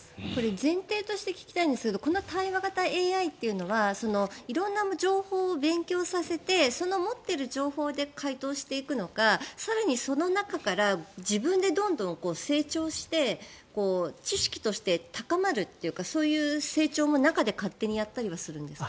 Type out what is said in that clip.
前提として聞きたいんですがこの対話型ＡＩというのは色々な情報を勉強させてその持っている情報で回答していくのか更にその中から自分でどんどん成長して知識として高まるというかそういう成長も中で勝手にやったりはするんですか？